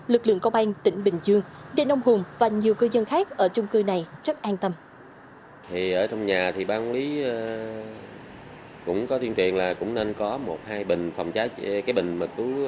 lực lượng công an tỉnh bình dương đền ông hùng và nhiều cư dân khác ở chung cư này rất an tâm